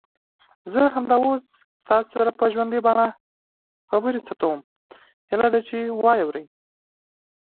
Colour does make a difference.